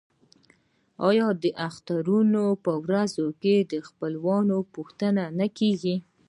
آیا د اخترونو په ورځو کې د خپلوانو پوښتنه نه کیږي؟